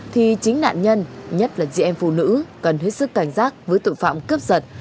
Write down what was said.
thì chính nạn nhân nhất là diện phụ nữ cần hết sức cảnh giác với tội phạm cướp giật